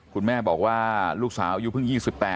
คุณแม่บอกว่าลูกสาวอายุเพิ่ง๒๘